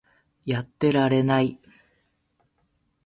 やってられない